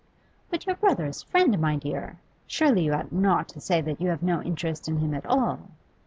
'But your brother's friend, my dear. Surely you ought not to say that you have no interest in him at all.